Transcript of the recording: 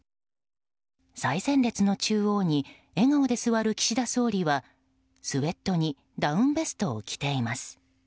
最前列の中央に笑顔で座る岸田総理はスウェットにダウンベストを着ています。